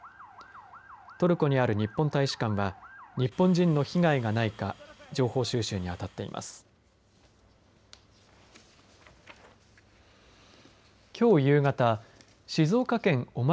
トルコにある日本大使館は日本人の被害がないか情報収集に当たっています。